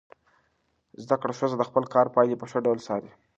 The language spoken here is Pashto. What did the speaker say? زده کړه ښځه د خپل کار پایلې په ښه ډول څاري.